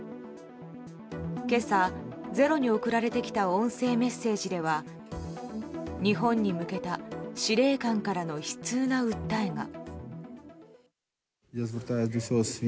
今朝、「ｚｅｒｏ」に送られてきた音声メッセージでは日本に向けた司令官からの悲痛な訴えが。